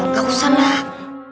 gak usah lah